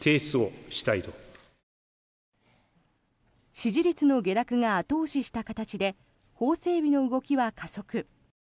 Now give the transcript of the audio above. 支持率の下落が後押しした形で法整備の動きは加速。